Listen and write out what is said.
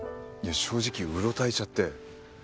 正直うろたえちゃって。